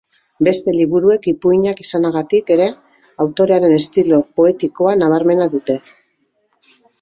Beste liburuek, ipuinak izanagatik ere, autorearen estilo poetikoa nabarmena dute.